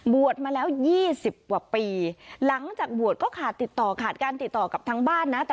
วัดมาแล้ว๒๐ปีหลังจากวัดก็ขาดติดต่อการติดต่อกับทั้งบ้าน